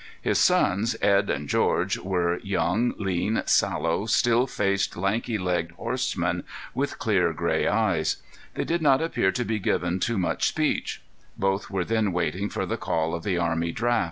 His sons, Edd and George, were young, lean, sallow, still faced, lanky legged horsemen with clear gray eyes. They did not appear to be given, to much speech. Both were then waiting for the call of the army draft.